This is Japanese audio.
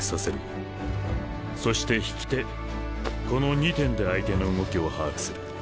そして引き手この２点で相手の動きを把握する。